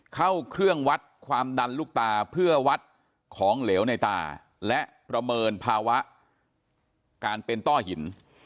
เข้าเครื่องวัดความดันลูกตาเพื่อวัดของเหลวในตาและประเมินภาวะการเป็นต้อหิน